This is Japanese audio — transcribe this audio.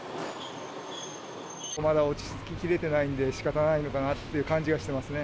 まだ落ち着ききれてないんで、しかたないのかなっていう感じがしてますね。